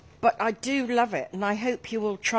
はい。